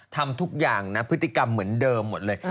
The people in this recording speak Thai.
ทำทุกอย่างนะพฤติกรรมเหมือนเดิมหมดเลย